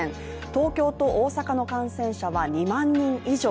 東京と大阪の感染者は２万人以上。